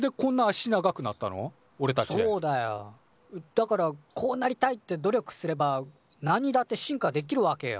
だからこうなりたいって努力すればなんにだって進化できるわけよ。